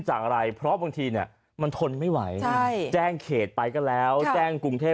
จากอะไรเพราะบางทีเนี่ยมันทนไม่ไหวแจ้งเขตไปก็แล้วแจ้งกรุงเทพ